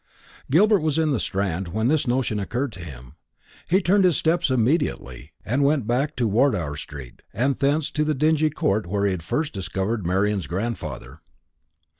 Gilbert was in the Strand when this notion occurred to him. He turned his steps immediately, and went back to Wardour street, and thence to the dingy court where he had first discovered Marian's grandfather.